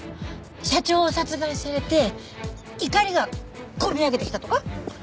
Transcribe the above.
社長を殺害されて怒りが込み上げてきたとか？